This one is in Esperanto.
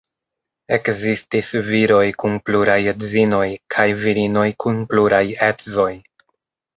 Ekzistis viroj kun pluraj edzinoj, kaj virinoj kun pluraj edzoj.